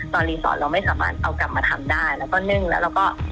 รีสอร์ทเราไม่สามารถเอากลับมาทำได้แล้วก็นึ่งแล้วเราก็